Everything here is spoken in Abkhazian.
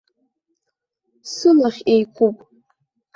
Сылахь еиқәуп.